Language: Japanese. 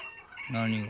何が？